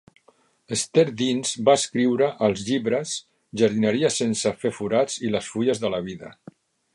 Esther Deans va escriure els llibres "Jardineria sense fer forats" i "Les fulles de la vida".